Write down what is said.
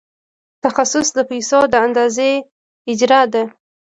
تخصیص د پیسو د اندازې اجرا ده.